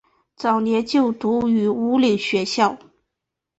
早年就读于武岭学校。